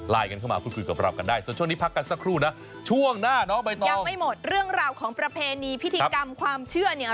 กันเข้ามาพูดคุยกับเรากันได้ส่วนช่วงนี้พักกันสักครู่นะช่วงหน้าน้องใบตองยังไม่หมดเรื่องราวของประเพณีพิธีกรรมความเชื่อเนี่ย